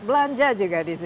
belanja juga disitu